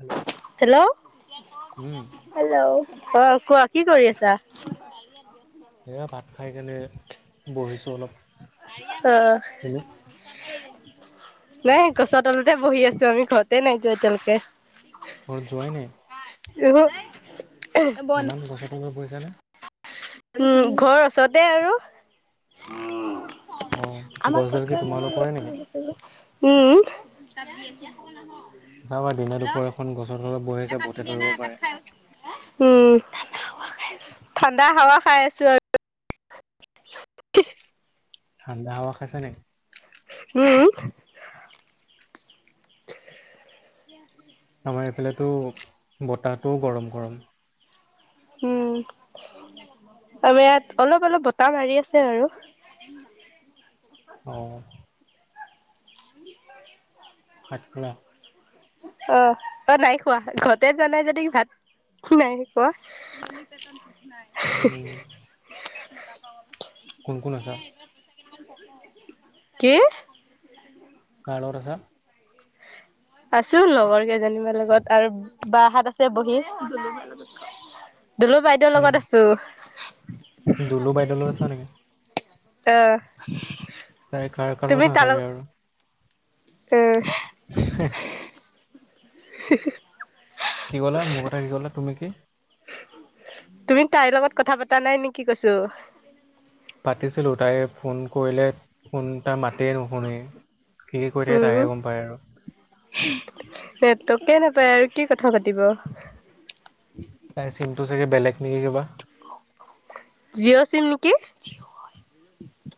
Hello hello উম hello অ' কোৱা কি কৰি আছা? এয়া ভাত খাই কেনে বহিছো অলপ। অ'। [inaudible] নাই গছৰ তলতে বহি আছো আমি ঘৰতে নাই যোৱা এতিয়ালৈকে। ঘৰত যোৱাই নাই? উহো। ইমান গছৰ তলত বহিছানে? উম, ঘৰ ওচৰতে আৰু। অ আমাৰ গছডাল কি ককা তোমালোকৰে নেকি [unintelligible] উম। চাবা দিনে দুপৰেখন গছৰ তলত বহি আছা ভূটে ধৰিব পাৰে। উম, ঠাণ্ডা হাৱা খাই আছো আৰু। [inaudible] ঠাণ্ডা হাৱা খাইছা নেকি? উম। আমাৰ এইফালো বতাহটোও গৰম গৰম। উম, আমাৰ ইয়াত অলপ অলপ বতাহ মাৰি আছে আৰু। অ'। [inaudible] ভাত খালা? অ', অ', নাই খোৱা ঘৰতে যোৱা নাই যদি ভাত নাই খোৱা। [inaudible] উম। কোন কোন আছা কি? কাৰ লগত আছা? আছো লগৰ কেইজানিবা লগত আৰু বাঁ হাত আছে বহি দলুৰ বাইদেউৰ অ লগত আছো দুলু বাইদলত আা নেকি ত তাই কাৰ কাৰ না চাগে আৰু [inaudible] হ [inaudible] কি কলে মোৰ কথা কি ক'লে তুমি কি তুমি তাইৰ লগত কথা পতা নাই নেকি কৈছো পাতিছিলোঁ তাই ফোন কৰিলে ফোন তাৰ মাতেই নুশুনে স কৈ থাকে তাহহে গম পায় আৰু নেটকে নাপায় আৰু কি কথা পাতিব তাই চমটো চাগে বেলেগ নেকি কিবা জিঅ চিম নেকি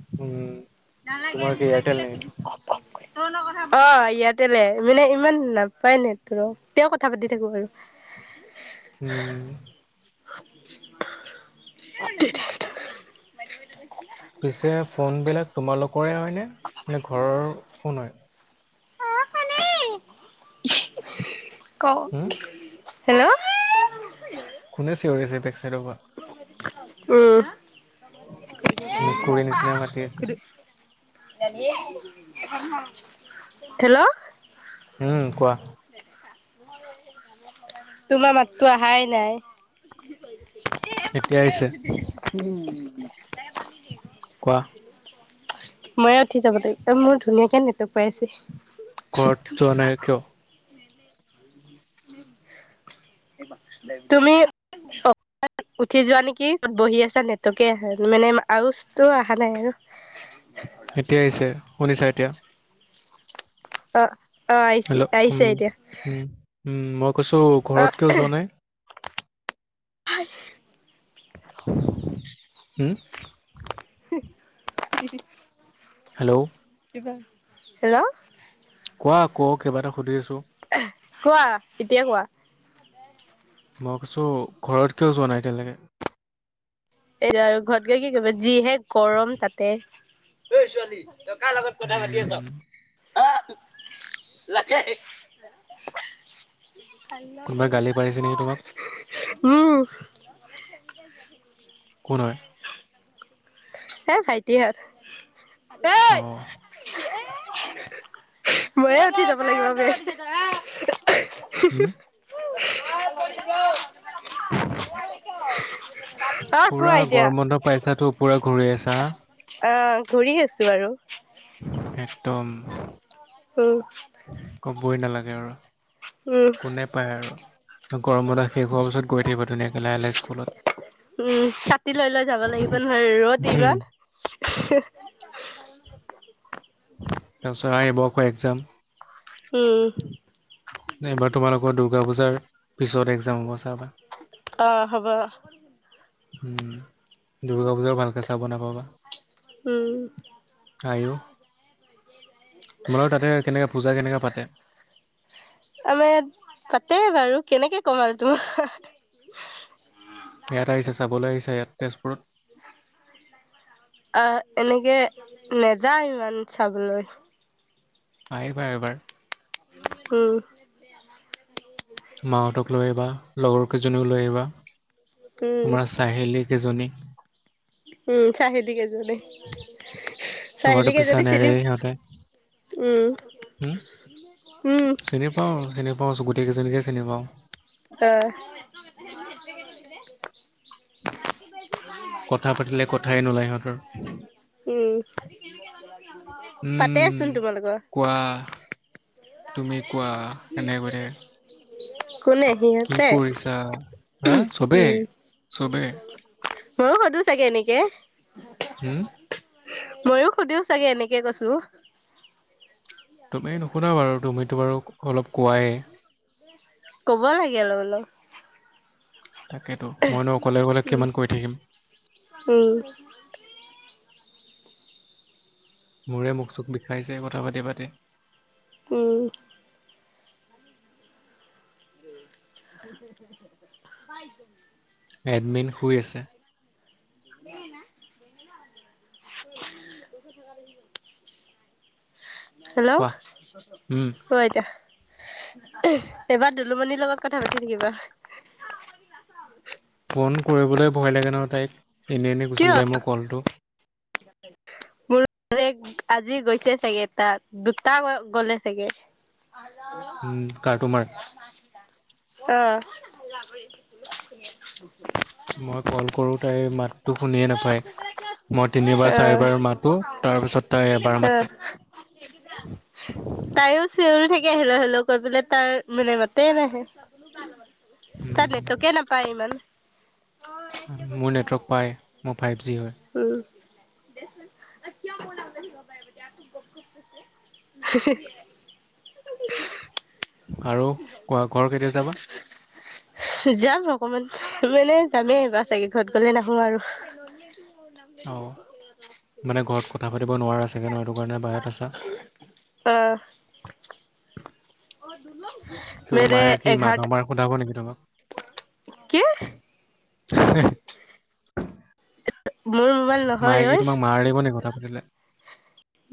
উম নহ লাগে তোমাৰ কি মু ন এয়াৰটেল কলে ফুৰি [inaudible] অ ইয়াতে মানে ইমান নাপায় ন তোৰ তে কথা পাতি থাকো আৰু উম দে পিছে ফোনবিলাক তোমালোকৰে হয়নেে নে ঘৰৰ ফোন হয় কও উম হেল্ল' খোনে চিঞৰিছে চাইডৰ পৰা উম মেকুৰীৰ নিচিনা মাতি আছে হেল্ল' উম কোৱা তোমাৰ মাততো অহাই নাই এতিয়া আহিছে ম কোৱা। ময়ে উঠি যাবটো। এই মোৰ ধুনীয়াকে নেটৱৰ্ক পাই আছে। ঘৰত তুমি যোৱা চোৱা নাই গৈ। কিয় [unintelligible] তুমি। উঠি যোৱা নেকি? বহি আছা নেটৱৰ্ককে অহা মানে আৰু টো অহা নাই আৰু। এতিয় আহিছে। শুনিছা এতিয়া অ অ আহিছে হেল্ল' আহিছে উম। এতিয়া উম, উম মই কৈছো অ ঘৰত কিয় যোৱা নাই? হয়। উম,। [unintelligible] [unintelligible] হেল্ল'অ। কিবা হেল্ল'অ। কোৱা আকৌ, কিবা এটা সুধি আছোঁ। কোৱা, এতিয়া কোৱা। মই কৈছো, ঘৰত কিয় যোৱা নাই এতিয়ালৈকে? এইয়া আৰু ঘৰত গৈ কি কৰিবা। যিহে গৰম তাতে। অ' ছোৱালী। তই ‌কাৰ লগত কথা পাতি আছ। উম অ‌' লাগে। হাল্লা কোনোবাই গালি কৰিলো পাৰিছে নেকি তোমাক? হায়। উম। ‌‌ কোন হয়? এই ভাইটিহত, এইত। অহ। এই, ময়ে উঠি যাব লাগিব বে। [unintelligible] হুম, [unintelligible] পুৰা এতিয়া গৰম বন্ধ পাইছাতো, পুৰা ঘূৰি আছা। অহ, ঘূৰি আছোঁ আৰু। একদম। উম। ক'ৱই নালাগে আৰু। উম কোনে পায় আৰু, গৰমত শেষ হোৱাৰ পিছত গৈ থাকিব, ধুনীয়াকে লাহে-লাহে স্কুলত। উম, ছাতি লৈ লৈ যাব লাগিব নহয়, ৰ'দ ইমান। তাৰপিছত আহিব আকৌ এক্সজাম। উম। এইবাৰ, তোমালোকৰ দুৰ্গা পুজাৰ পিছত এক্সজাম হ'ব চাবা। অহ, হ'ব। উম, দুৰ্গা পূজা ভালকে চাব নাপাবা। উম আৰু তোমালোকৰ তাতে, কেনেকে পূজা কেনেকে পাতে। আমৰ‌ ইয়াৰ পাতে বাৰু কেনেকে ক'ম আৰু তোমাক। ইয়াত আহিছে, চাবলৈ আহিছে ইয়াত তেজপুৰ। অহ, এনেকে নেযায় ইমান চাবলৈ‌। আহিবা এবাৰ। উম। মাহঁতক লৈ আহিবা, লগৰ কেইজনীও লৈ আহিবা। উম তোমাৰ চাহেলী কেইজনী। উম, চাহেলী কেইজনী। তোমাৰতো চাহিলেকে পিছা যদি নেৰে চিনি সিহঁতে উম, উম। পাওঁ, চিনি পাওঁ চব গোটেই কেইজনীকে চিনি পাওঁ। অহ'। [unintelligible] কথা পাতিলে কথাই নোলায় সিহঁতৰ [unintelligible] উম, তাতে উম চোন তোমালোকৰ। কোৱা তুমি কোৱা, সেনেকে কৈ কোনে থাকে। কি সিহঁতে কৰিছা হা, চবে চবেই। মইয়ো সুধো চাগে এনেকে। হম। মইয়ো সুধো চাগে এনেকে কৈছো। তুমি নুসোধা বাৰু তুমিতো বাৰু অলপ কোৱায়ে। কব লাগে অলপ-অলপ। তাকেতো মইনো অকলে অকলে উম কিমান কৰি থাকিম। উম। মোৰে মুখ-চুখ বিষাই যায় কথা পাতি-পাতি। উম। [unintelligible] এডমিন শুই আছে। [unintelligible] হেল্ল'। অহ, কোৱা উম আইতা এইবাৰ দুলুমণিৰ লগত কথা পাতি থাকিবা। ফোন কৰিবলৈ ভয় লাগে নহয় তাইক, এনেই-এনেই গুচি কিয় যায় মোৰ কলটো। [unintelligible] মোৰ আজি গৈছে চাগে তাত, দুটা গ'লে চাগে। [unintelligible] উম, কাৰ তোমাৰ? আহ। মই কল কৰোঁ তাই মাত টো শুনিয়ে নাপায় মই তিনিবাৰ অ চাৰিবাৰ মাতো তাৰপিছত তাই এবাৰ মাতে। উ তাইও চিঞৰি থাকি আহিলে হলেও কৈ পাই তাৰ মানে মাতে নাহে। তাত উম, নটকে নাপায় ইমান। মোৰ নেটৱৰ্ক পায় মোৰ ফাইভ জি হয়। উম। [inaudible] [unintelligible] আৰু কোৱা ঘৰ কেতিয়া যাবা? যাম অকমান মানে যামেই বা চাগে ঘৰত গ'লে নাহো আৰু। নন নামে অ' মানে ঘৰত কথা পাতিব নোৱাৰা চাগে নহ সেইটো কাৰণে বাহিৰত আছা। অ মেৰে এঘাত সধাবে তোক কি? মুলবন মায়েকে তোাক মাৰ দিব নেকি কথা পাতিলে।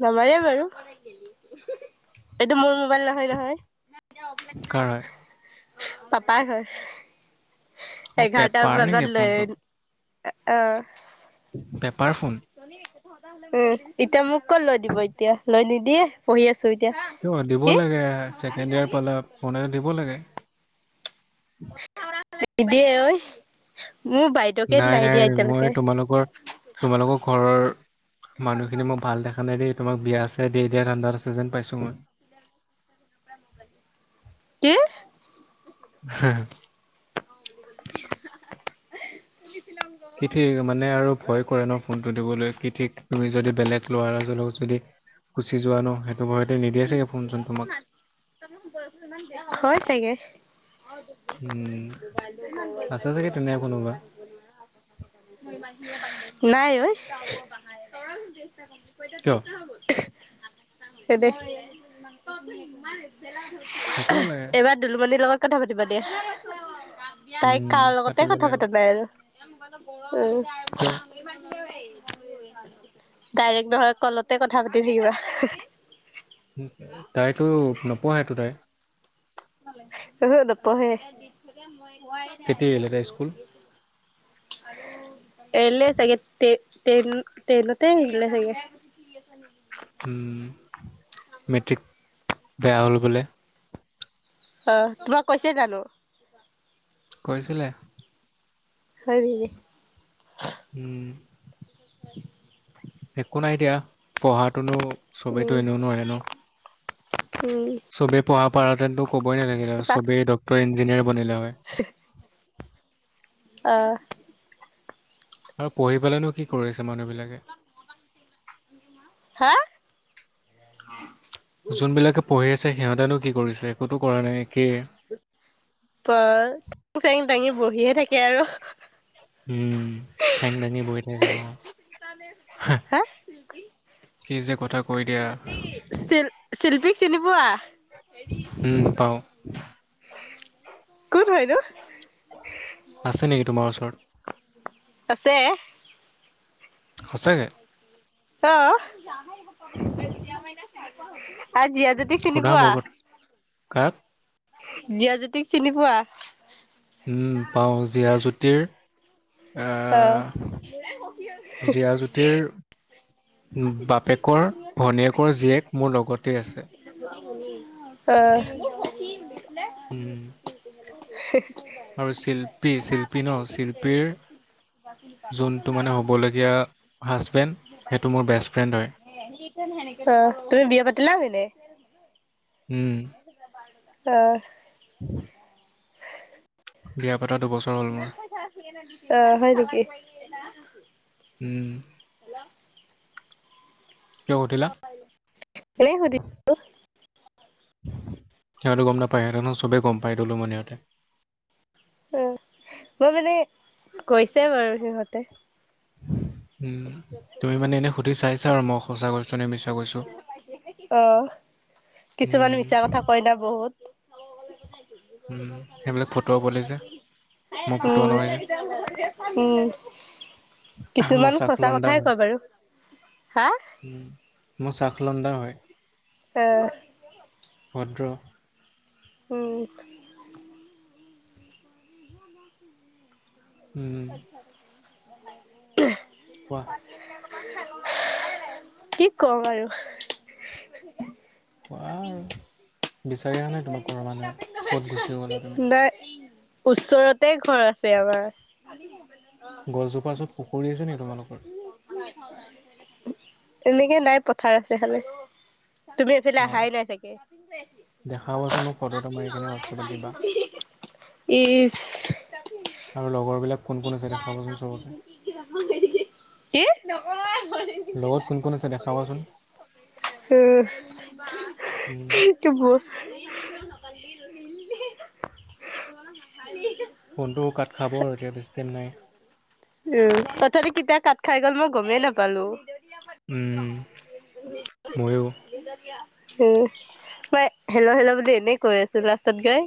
নমাৰে বাৰু। এইটো মোৰ মোবাইল নহয় নহয়। কাৰ হয়? পাপাৰ ঘ অ' এঘাৰটাাৰ পেপাৰ নেকি বজাত লৈ ফোনটো আহ। বেপাৰ ফোন? উম, এতিয়া মোক কত লৈ দিব এতিয়া লৈ নিদিয়ে পঢ়ি আছো এতিয়া। ত দিব কি লাগে ছেকেণ্ড ইয়োৰ পালে ফোন এটা দিব লাগে। নি দিয়ে ঐ মোৰ বাইদেউ নাই নাই মই তোমালোকৰ তোমালোকৰ ঘৰৰ মানুহখিনি মোক ভাল দেখা নাই দেই তোমাক বিয়া আছে দেই দিয় ঠা্ডা আছে যেন পাইছো মই। [unintelligible] কি? [unintelligible] [unintelligible] সিঠিক মানে আৰু ভয় কৰে ন ফোন দিবলৈ কি ঠিক তুমি যদি বেলেগ ল'ৰাজনক যদি গুচি যোৱা ন সেইটো ভয়তে নিদিয়ে চাগৈ ফোন চোন তোমাক। হয় চাগে। বছৰ উম বয় বোব আছে চাগে তেনে কোনোবা টানত লগা ধব নোৱাৰো আক নাই কিয় ঐ। সেই দে থাকিব লাগে এবাৰ দুলুমনিৰ লগত কথা পাতিবা দিয়া তাইক উম কাৰ লগতে পাতিব কথা লাগিব পতা নাই আৰু। উম। থউ ডাইৰেক্ট নহয় কলতে কথা পাতি থাকিবা। [unintelligible] তাইতো নোপোৱাহটো তাই? উম, নপহে। কেতিয়া এৰিলে তাই স্কুল এিল চাগে তেইন তেইনতে আহিললে চাগে। মেট্ৰিক বেয়া হ'ল বোলে! অ' তোমাক কৈছে জানো? কৈছিলে। হয়‌ নেকি। উম। একো নাই দিয়া পঢ়াটোনো চবেইতো উম এনেও নোৱাৰে ন উম চবেই পঢ়া পৰাহেতেনতো ক'বই নালাগে চবেই ডক্টৰ ইঞ্জিনিয়াৰ বনিলে হয়। হ [unintelligible] অ'। আৰু পঢ়ি পেলনো কি কৰি আছে মানুহ বিলাকে? হা। [inaudible] যোনবিলাকে পঢ়ি আছে সিহঁতেনো কি কৰিছে একোতো কৰা নাই একেই ব ঠেং চেং দাঙি বহিয়ে থাকে আৰু উম ঠেং দাঙি বৈ থাকে অ'। কি যে কথা ক শিল্পী শিল্পীক চিনি পোৱা? উম পাওঁ। কোন হয়‌ নো। আছে নেকি তোমাৰ ওচৰত। আছে। সঁচাকে। অ'। আৰু জীয়া জ্যোতিক চিনি সোধা পোৱা মোৰ কথা কাক জীয়া জ্যোতিক চিনি পোৱা। উম পাওঁ জীয়া জ্যুোতিৰ অ জীয়া জ্যোতিৰ বাপেকৰ ভনীয়েকৰ জীয়েক মোৰ লগতে আছে। উম। অ'। আৰু শিল্পী শিল্পী এটাকে ন সুধিছিলে শিল্পীৰ যোনটো মানে হ'বলগীয়া হাজবেণ্ড সেইটো মোৰ বেষ্ট ফ্ৰেণ্ড হয়। তুমি বিয়া পাতিলা হনে। উম। অ'। [inaudible] বিয়া পাতা দুবছৰ হ'ল মোৰ। অ', হয় নেকি। উম। কিয় সুধিলা। সুধি সিহঁতে গম নাপায় সিহঁতে নয় চবে গম পায় তুলোমনি সিহঁতে। অ', মই মানে কৈছে বাৰু সিহঁতে উ তুমি মানে এনেই সুধি চাইছা আৰু মই সঁচা কৈছো নে মিছা কৈছোঁ। অহ, কিছুমান উম, মিছা কথা কয় না বহুত। পৰ উম, দোকানখন সেইবিলাক ইমান ফটোৱা দূৰত পোৱালি যে আছিল মই ফটোৱা নহয় উম। যে। [unintelligible] উম, মই কিছুমান সঁচা চাখলন্দা কথাই কয় বাৰু হা উ মোৰ চাহ খলন্দা হয়। অ'। ভদ্ৰ। উম। উম। [unintelligible] কোৱা। কি কম আৰু। কোৱা আৰু [unintelligible] বিচাৰি অহা নাই তোমাক ঘৰৰ মানুহে। ওচৰতে ক'ত গুচি গ'লা তুমি? ঘৰ আছে আমাৰ। গছজোপা য'ত পুুখুৰী আছে নেকি তোমালোকৰ? এনেকে নাই পথাৰ আছে খালি। তুমি এইফাল অ'। অহাই নাই চাগে। দেখাবাচোন মোক ফটো এটা মাৰি কেনে হোৱাটছএপত দিবা ইচ আৰু লগৰবিলাক কোন কোন আছে দেখাবাচোন [unintelligible] চবকে কি, লগত কোন কোন আছে দেখাবাচোন উ উম। দিব। [unintelligible] [unintelligible] ফোনটো কাট খাব আৰু এতিয়া বেছি টাইম নাই। উ, তথাপি কেতিয়া কাত খাই গ'ল মই গ'মেই নাপালোঁ। উম, ময়ো। উ, হেল' হেল' বুলি এনেই কৈ আছোঁ লাষ্টত গৈ।